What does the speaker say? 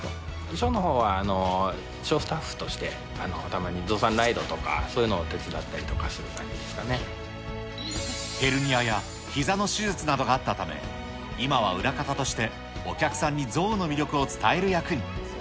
ショーのほうは、ショースタッフとして、たまに象さんライドとかそういうのを手伝ヘルニアやひざの手術などがあったため、今は裏方としてお客さんに象の魅力を伝える役に。